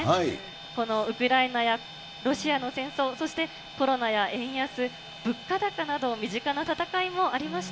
このウクライナやロシアの戦争、そしてコロナや円安、物価高など、身近な戦いもありました。